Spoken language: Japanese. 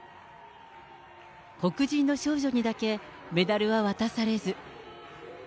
黒人の少女にだけメダルは渡されず。